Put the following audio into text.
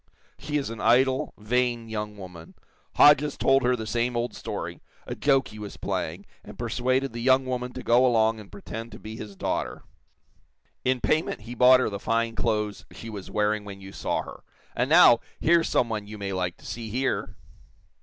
She is an idle, vain young woman. Hodges told her the same old story a joke he was playing, and persuaded the young woman to go along and pretend to be his daughter. In payment he bought her the fine clothes she was wearing when you saw her. And now, here's some one you may like to see here!"